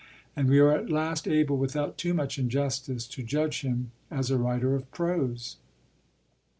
And we are at last able, without too much injustice, to judge him as a writer of prose.